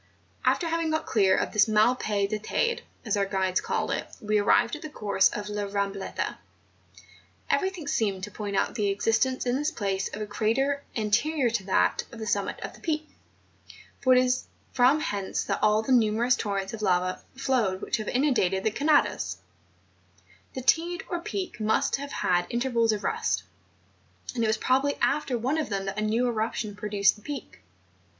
After having got clear of this mal pais del Teyde, as our guides call it, we arrived at the course of La Mam bleta. Everything seemed to point out the exist¬ ence in this place of a crater anterior to that of the summit of the Peak; for it is from hence that all the numerous torrents of lava flowed which have inundated the Canadas, The Teyde or Peak must have had intervals of rest; and it was probably after one of them that a new eruption produced the Peak.